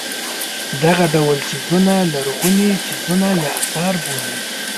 دغه ډول څیزونه لرغوني څیزونه یا اثار بولي.